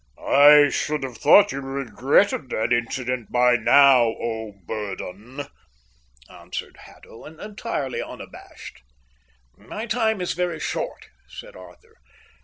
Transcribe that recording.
"I should have thought you regretted that incident by now, O Burdon," answered Haddo, entirely unabashed. "My time is very short," said Arthur.